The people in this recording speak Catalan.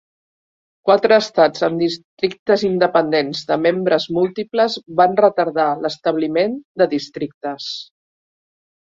Quatre estats amb districtes independents de membres múltiples van retardar l'establiment de districtes.